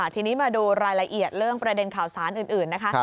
ทีนี้มาดูรายละเอียดเรื่องประเด็นข่าวสารอื่นนะคะ